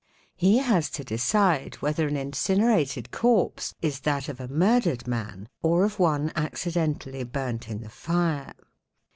He has to decide whether an incinerated corpse is that of a murdered man or of one accidentally burnt in the fire.